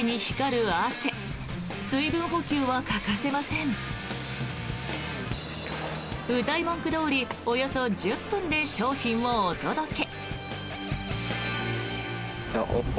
うたい文句どおりおよそ１０分で商品をお届け。